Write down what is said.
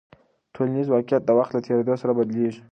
ټولنیز واقیعت د وخت له تېرېدو سره بدلېږي.